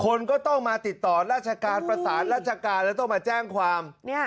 คนก็ต้องมาติดต่อราชการประสานราชการแล้วต้องมาแจ้งความ